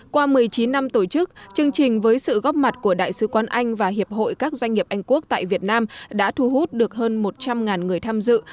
qua một mươi chín năm tổ chức chương trình với sự góp mặt của đại sứ quán anh và hiệp hội các doanh nghiệp anh quốc tại việt nam đã thu hút được hơn một trăm linh người tham dự